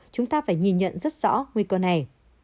chúng ta phải nhìn nhận rất rõ nguy cơ này